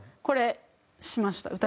これしました。